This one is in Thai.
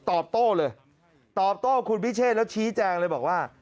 ตอบโต้เลยตอบโต้คุณพิเชษแล้วชี้แจงเลยบอกว่า